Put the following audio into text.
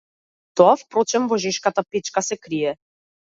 Тоа впрочем во жешката печка се крие.